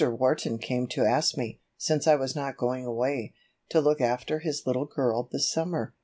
Wharton came to ask me, since I was not going away, to look after his little girl this summer.